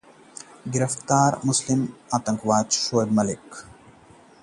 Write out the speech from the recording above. गिरफ्तार हो सकते हैं शोएब मलिक